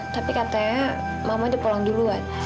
tapi katanya mama udah pulang dulu an